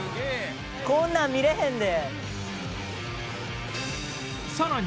こんなん見れへんで。